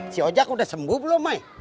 si ojak udah sembuh belum ani